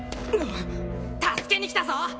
助けに来たぞ！